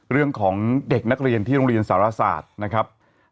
เรื่องของเด็กนักเรียนที่โรงเรียนสารศาสตร์นะครับ